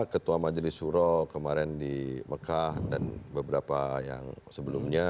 ketua majelis suro kemarin di mekah dan beberapa yang sebelumnya